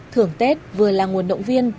thưởng tết vừa là nguồn động viên